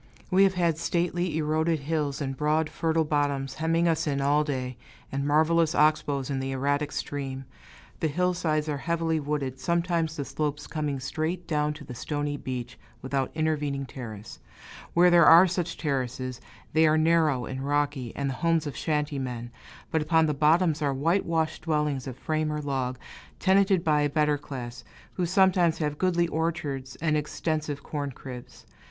We have had stately, eroded hills, and broad, fertile bottoms, hemming us in all day, and marvelous ox bows in the erratic stream. The hillsides are heavily wooded, sometimes the slopes coming straight down to the stony beach, without intervening terrace; where there are such terraces, they are narrow and rocky, and the homes of shanty men; but upon the bottoms are whitewashed dwellings of frame or log, tenanted by a better class, who sometimes have goodly orchards and extensive corn cribs.